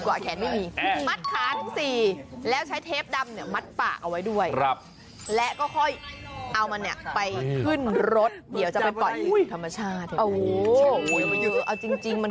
ใช้เด็กเต๊บดำมัดปากเอาค่อยเข้าทางรถ